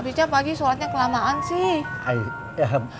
habisnya pak haji sholatnya kelamaan sih